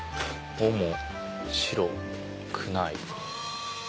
おもしろくない。